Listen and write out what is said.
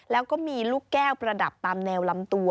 แล้วก็มีลูกแก้วประดับตามแนวลำตัว